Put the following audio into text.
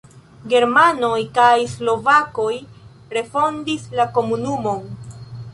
Germanoj kaj slovakoj refondis la komunumon.